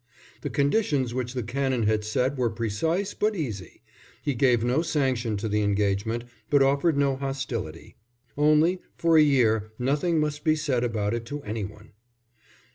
The conditions which the Canon had set were precise, but easy; he gave no sanction to the engagement but offered no hostility. Only, for a year nothing must be said about it to any one.